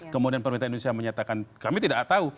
kemudian pemerintah indonesia menyatakan kami tidak tahu